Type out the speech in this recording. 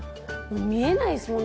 見えないですもんね